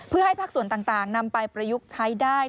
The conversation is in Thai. เพื่อให้ภาคส่วนต่างนำไปประยุกต์ใช้ได้